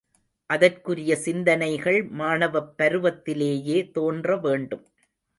அதற்குரிய சிந்தனைகள் மாணவப் பருவத்திலேயே தோன்ற வேண்டும்.